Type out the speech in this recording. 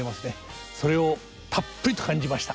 それをたっぷりと感じました。